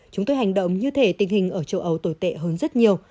chúng tôi hành động như thế tình hình ở châu âu tồi tệ hơn rất nhiều